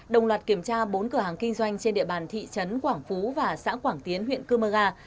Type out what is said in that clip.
đồng loạt kiểm tra bốn cửa hàng kinh doanh trên địa bàn thị trấn quảng phú và xã quảng tiến huyện cơ mơ ga